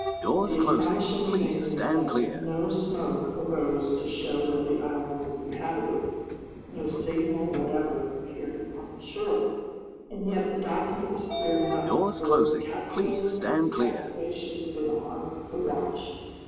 But the astonishing thing was that no smoke arose to show that the island was inhabited, no signal whatever appeared on the shore! And yet the document was clear enough; there was a castaway, and this castaway should have been on the watch.